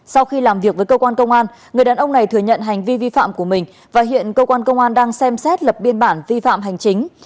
sau khi làm việc với công an người đàn ông này thừa nhận hành vi vi phạm của mình và hiện công an đang xem xét lập biên bản vi phạm hành chính